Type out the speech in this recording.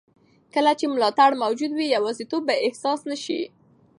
کله چې ملاتړ موجود وي، یوازیتوب به احساس نه شي.